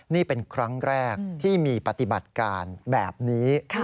นี่เป็นครั้งแรกที่มีปฏิบัติการแบบนี้